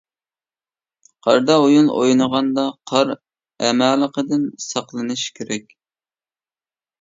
قاردا ئويۇن ئوينىغاندا قار ئەمالىقىدىن ساقلىنىش كېرەك.